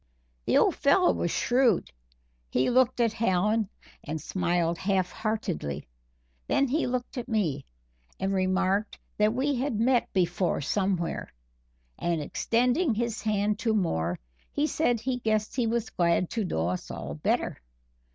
The old fellow was shrewd he looked at Hallen and smiled half heartedly. Then he looked at me, and remarked that we had met before somewhere, and extending his hand to Moore, he said he guessed he was glad to know us all better.